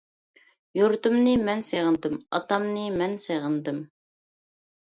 يۇرتۇمنى مەن سېغىندىم، ئاتامنى مەن سېغىندىم.